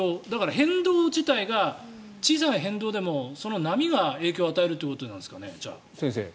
変動自体が小さな変動でも波が影響を与えるということなんですかね。